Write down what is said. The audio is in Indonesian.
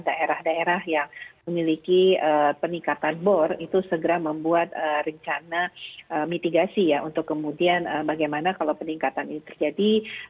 dan daerah daerah yang memiliki peningkatan bor itu segera membuat rencana mitigasi ya untuk kemudian bagaimana kalau peningkatan ini terjadi